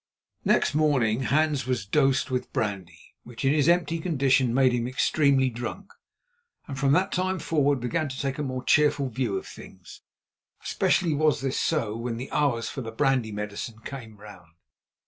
Next morning Hans was dosed with brandy, which, in his empty condition, made him extremely drunk, and from that time forward began to take a more cheerful view of things. Especially was this so when the hours for the "brandy medicine" came round.